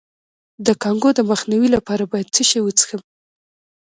د کانګو د مخنیوي لپاره باید څه شی وڅښم؟